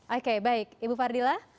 oke baik ibu fardila